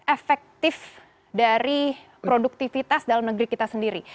efektif dari produktivitas dalam negeri kita sendiri